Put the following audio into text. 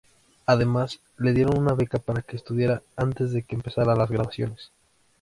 Además, le dieron una beca para que estudiara antes de que empezaran las grabaciones.